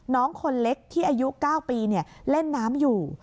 น้องคนเล็กที่อายุ๙ปีเล่นน้ำอยู่